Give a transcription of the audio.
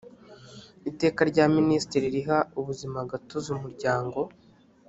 iteka rya minisitiri riha ubuzimagatozi umuryango